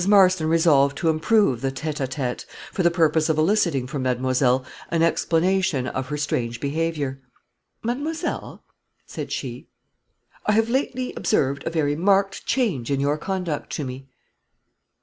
Marston resolved to improve the Tate à Tate, for the purpose of eliciting from mademoiselle an explanation of her strange behavior. "Mademoiselle," said she, "I have lately observed a very marked change in your conduct to me."